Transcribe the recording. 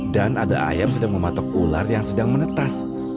dan ada ayam sedang mematok ular yang sedang menetas